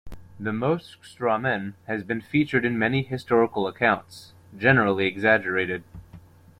The Moskstraumen has been featured in many historical accounts, generally exaggerated.